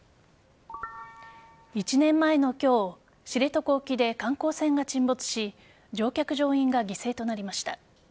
１年前の今日知床沖で観光船が沈没し乗客、乗員が犠牲となりました。